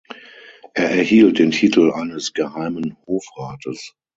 Er erhielt den Titel eines Geheimen Hofrates.